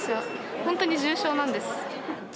ほんとに重症なんです。